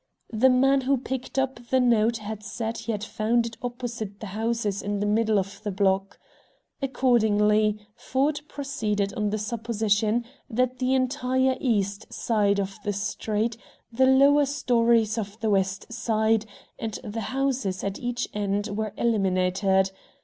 The man who picked up the note had said he had found it opposite the houses in the middle of the block. Accordingly, Ford proceeded on the supposition that the entire east side of the street, the lower stories of the west side, and the houses at each end were eliminated.